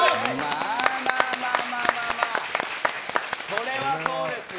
これはそうですよ。